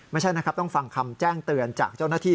ไม่ใช่นะครับต้องฟังคำแจ้งเตือนจากเจ้าหน้าที่